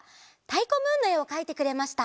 「たいこムーン」のえをかいてくれました。